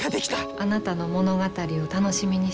あなたの物語を楽しみにしとります。